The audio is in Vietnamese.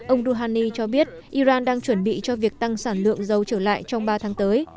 ông rouhani cho biết iran đang chuẩn bị cho việc tăng sản lượng dầu trở lại trong ba tháng tới